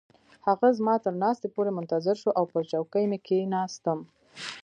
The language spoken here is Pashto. هغه زما تر ناستې پورې منتظر شو او پر چوکۍ مې کښیناستم.